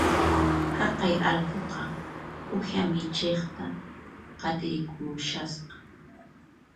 Haqay allquqa uwiha michiqta qatirikushasqa